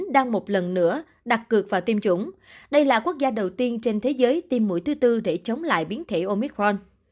đang một lần nữa đặt cược vào tiêm chủng đây là quốc gia đầu tiên trên thế giới tiêm mũi thứ tư để chống lại biến thể omicron